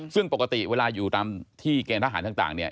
ซึ่งปกติเวลาอยู่ตามที่เกณฑ์ทหารต่างเนี่ย